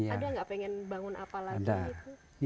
ada nggak pengen bangun apa lagi gitu